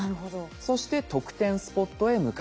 そして得点スポットへ向かっていくと。